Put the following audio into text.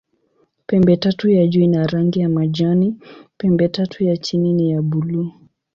Pembetatu ya juu ina rangi ya majani, pembetatu ya chini ni ya buluu.